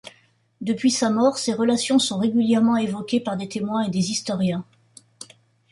Depuis sa mort, ces relations sont régulièrement évoquées par des témoins et des historiens.